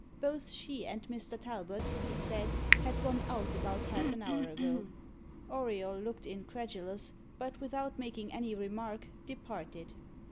Both she and Mr. Talbot, he said, had gone out about half an hour ago. Auriol looked incredulous, but without making any remark, departed.